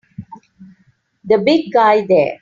The big guy there!